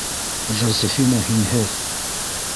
Жозефина һинһеҙ...